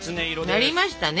なりましたね。